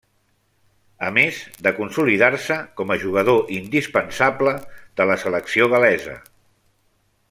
A més de consolidar-se com a jugador indispensable de la selecció gal·lesa.